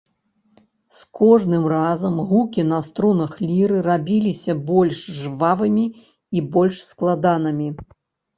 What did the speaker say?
З кожным разам гукі на струнах ліры рабіліся больш жвавымі і больш складанымі.